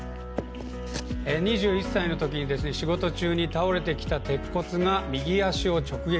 ２１歳のときに仕事中に倒れてきた鉄骨が右足を直撃。